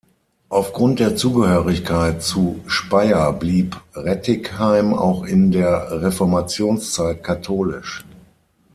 Aufgrund der Zugehörigkeit zu Speyer blieb Rettigheim auch in der Reformationszeit katholisch.